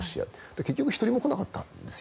結局１人も来なかったんですよ。